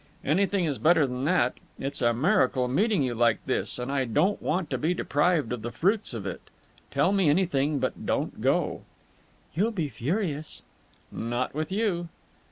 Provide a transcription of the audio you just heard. "Anything is better than that. It's a miracle meeting you like this, and I don't want to be deprived of the fruits of it. Tell me anything, but don't go." "You'll be furious." "Not with you."